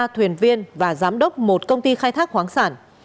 ba thuyền viên và giám đốc một công ty khai thác khoáng sản